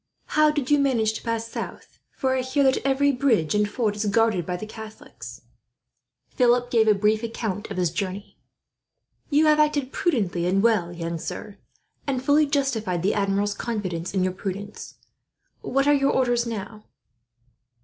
"How did you manage to pass south, for I hear that every bridge and ford is guarded by the Catholics?" Philip gave a brief account of his journey. "You have acted prudently and well, young sir; and fully justified the Admiral's confidence in your prudence. What are your orders now?"